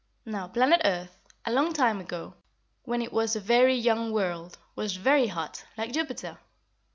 "Now planet earth, a long time ago, when it was a very young world, was very hot like Jupiter.